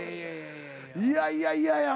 いやいやいやいや。